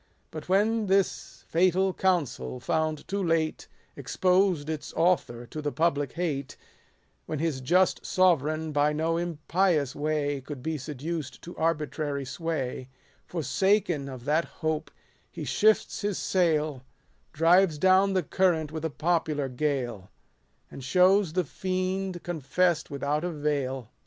But when this fatal counsel, found too late, Exposed its author to the public hate ; When his just sovereign, by no impious way Could be seduced to arbitrary sway ; Forsaken of that hope he shifts his sail, Drives down the current with a popular gale ; so And shows the fiend confess'd without a veil.